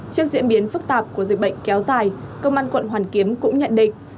trước diễn biến phức tạp của dịch bệnh kéo dài công an quận hoàn kiếm cũng nhận định